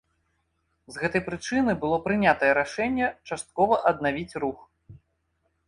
З гэтай прычыны было прынятае рашэнне часткова аднавіць рух.